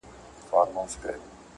مسافر یاره تا هم بل رقم ناجایزه وکړه